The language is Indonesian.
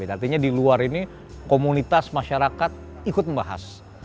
artinya di luar ini komunitas masyarakat ikut membahas